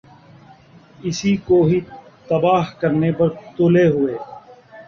اسی کو ہی تباہ کرنے پر تلے ہوۓ ۔